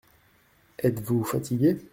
Êtes-vous fatigué ?